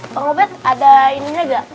bang obed ada ininya gak